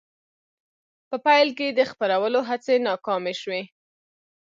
په پیل کې د خپرولو هڅې ناکامې شوې.